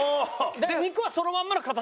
で肉はそのまんまの形？